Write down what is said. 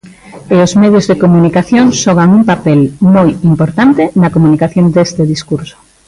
E os medios de comunicación xogan un papel moi importante na comunicación deste discurso.